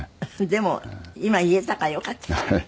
でも今言えたからよかったじゃない。